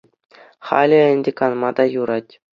Халӗ ӗнтӗ канма та юрать.